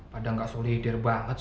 padahal gak solidar banget sih